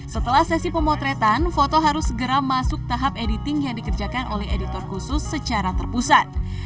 setelah sesi pemotretan foto harus segera masuk tahap editing yang dikerjakan oleh editor khusus secara terpusat